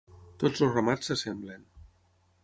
Tots els ramats s'assemblen.